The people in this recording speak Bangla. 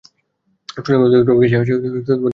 সৈন্যগণ অধিকতর ঘেঁসিয়া আসিয়া যুবরাজকে ঘিরিল।